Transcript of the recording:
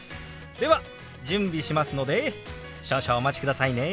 では準備しますので少々お待ちくださいね。